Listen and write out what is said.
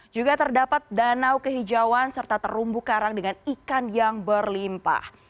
juga terdapat danau kehijauan serta terumbu karang dengan ikan yang berlimpah